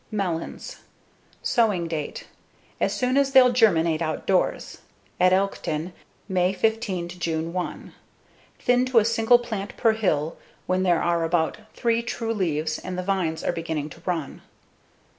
Melons Sowing date: As soon as they'll germinate outdoors: at Elkton, May 15 to June 1. Thin to a single plant per hill when there are about three true leaves and the vines are beginning to run.